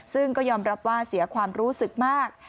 ซึ่งก็ยอมรับว่าเสียความรู้สึกมาก